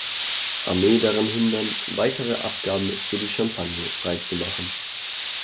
Armee daran hindern, weitere Abgaben für die Champagne freizumachen.